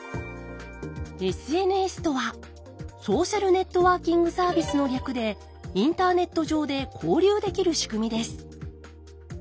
ＳＮＳとは「ソーシャルネットワーキングサービス」の略でインターネット上で交流できる仕組みです。